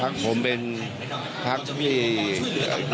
อันนี้จะต้องจับเบอร์เพื่อที่จะแข่งกันแล้วคุณละครับ